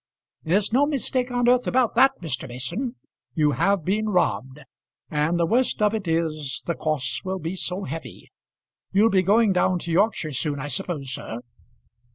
"There's no mistake on earth about that, Mr. Mason; you have been robbed; and the worst of it is, the costs will be so heavy! You'll be going down to Yorkshire soon I suppose, sir."